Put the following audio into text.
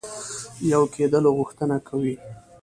یو کېدلو غوښتنه کوي.